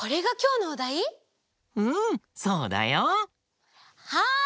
うんそうだよ。はい！